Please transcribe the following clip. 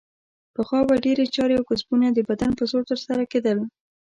پخوا به ډېرې چارې او کسبونه د بدن په زور ترسره کیدل.